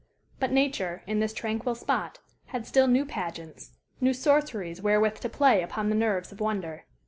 But nature, in this tranquil spot, had still new pageants, new sorceries wherewith to play upon the nerves of wonder.